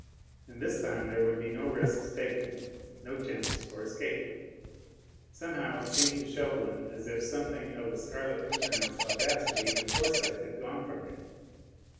And this time there would be no risks taken, no chances for escape. Somehow it seemed to Chauvelin as if something of the Scarlet Pimpernel's audacity and foresight had gone from him.